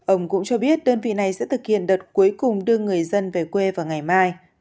ông cũng cho biết đơn vị này sẽ thực hiện đợt cuối cùng đưa người dân về quê vào ngày mai